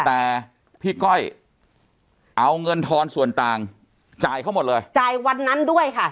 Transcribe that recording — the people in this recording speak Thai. แต่พี่ก้อยเอาเงินทอนส่วนต่างจ่ายเขาหมดเลยจ่ายวันนั้นด้วยค่ะ